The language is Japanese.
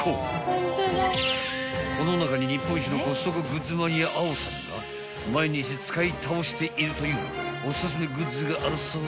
［この中に日本一のコストコグッズマニアａｏさんが毎日使い倒しているというおすすめグッズがあるそうよ］